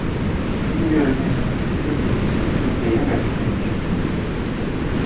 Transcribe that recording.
Хүний бие организм нь сэтгэл хөдлөлд сэтгэхүйтэй яг адилхан хэмжээнд нөлөөлнө.